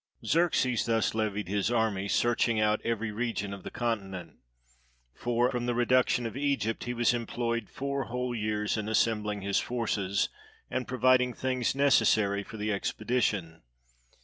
] Xerxes thus levied his army, searching out every region of the continent. For from the reduction of Egypt, he was employed four whole years in assembling his forces, and providing things necessary for the expedition.